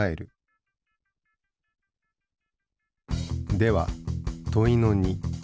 では問いの２。